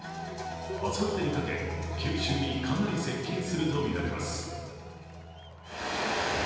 あさってにかけ、九州にかなり接近するとみられます。